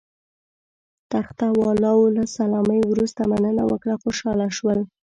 تخته والاو له سلامۍ وروسته مننه وکړه، خوشاله شول.